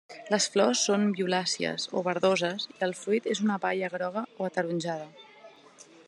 Les flors són violàcies o verdoses i el fruit és una baia groga o ataronjada.